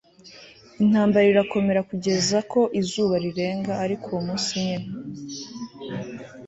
intambara irakomera kugeza ko izuba rirenga, ariko uwo munsi nyine